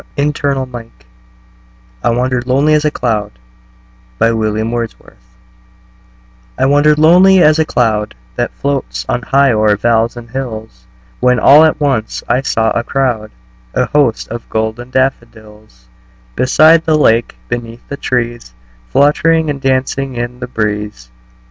William Wordsworth I Wandered Lonely As a Cloud I WANDERED lonely as a cloud That floats on high o'er vales and hills, When all at once I saw a crowd, A host, of golden daffodils; Beside the lake, beneath the trees, Fluttering and dancing in the breeze.